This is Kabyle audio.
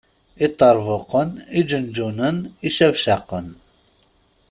Iṭerbuqen, iǧenǧunen, icabcaqen.